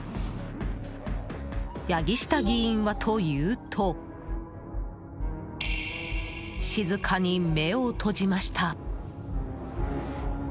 八木下議員はというと静かに目を閉じました。